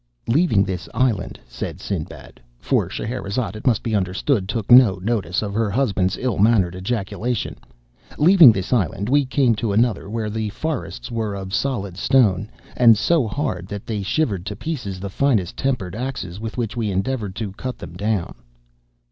"'Leaving this island,' said Sinbad—(for Scheherazade, it must be understood, took no notice of her husband's ill mannered ejaculation) 'leaving this island, we came to another where the forests were of solid stone, and so hard that they shivered to pieces the finest tempered axes with which we endeavoured to cut them down.